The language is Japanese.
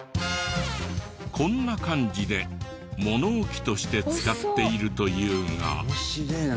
こんな感じで物置きとして使っているというが。